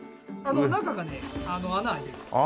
中がね穴開いてるんですよ